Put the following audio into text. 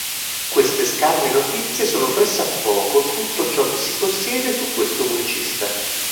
Queste scarne notizie sono pressappoco tutto ciò che si possiede su questo musicista.